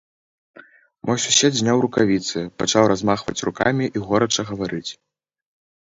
Мой сусед зняў рукавіцы, пачаў размахваць рукамі і горача гаварыць.